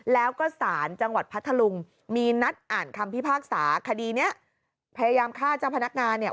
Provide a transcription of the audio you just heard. แล้วก็สารจังหวัดพัทธลุงมีนัดอ่านคำพิพากษาคดีเนี้ยพยายามฆ่าเจ้าพนักงานเนี่ย